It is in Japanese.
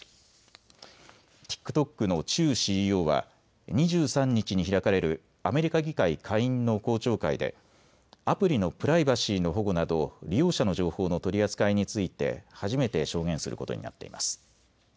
ＴｉｋＴｏｋのチュウＣＥＯは２３日に開かれるアメリカ議会下院の公聴会でアプリのプライバシーの保護など利用者の情報の取り扱いについて初めて証言することになっています。